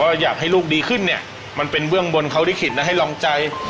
อยากให้ลูกดีขึ้นเนี่ยมันเป็นเบื้องบนเขาลิขิตนะให้ลองใจ